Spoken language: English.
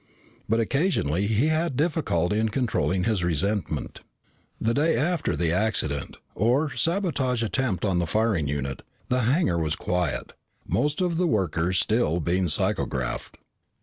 But occasionally he had difficulty in controlling his resentment. The day after the accident, or sabotage attempt on the firing unit, the hangar was quiet, most of the workers still being psychographed.